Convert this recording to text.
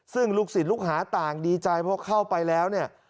ซึ่งลูกศิษย์ลูกหาต่างดีใจเพราะเข้าไปแล้วเนี่ย